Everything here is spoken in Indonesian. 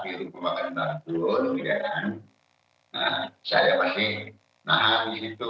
di rumah kentang dulu saya masih nahan di situ